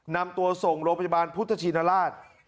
นำตัวส่งโรงพยาบาลพุทธชินราช